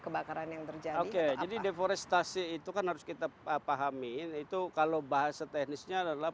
kebakaran yang terjadi oke jadi deforestasi itu kan harus kita pahami itu kalau bahasa teknisnya adalah